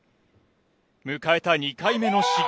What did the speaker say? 迎えた２回目の試技。